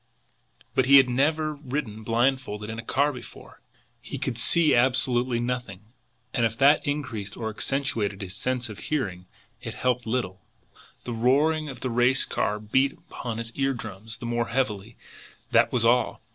But he had never ridden blindfolded in a car before! He could see absolutely nothing. And if that increased or accentuated his sense of hearing, it helped little the roar of the racing car beat upon his eardrums the more heavily, that was all.